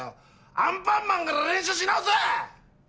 アンパンマンから練習し直せ！